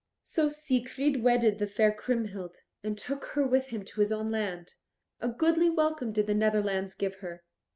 So Siegfried wedded the fair Kriemhild and took her with him to his own land. A goodly welcome did the Netherlands give her.